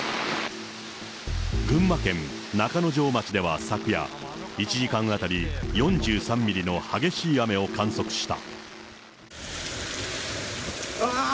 群馬県中之条町では昨夜、１時間当たり４３ミリの激しい雨を観測した。